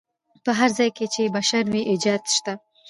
په هر ځای کې چې بشر وي ایجاد شته.